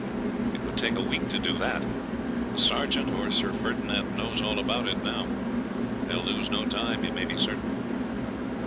It would take a week to do that. The sergeant or Sir Ferdinand knows all about it now. They'll lose no time, you may be certain.'